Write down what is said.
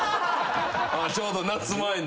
ちょうど夏前に。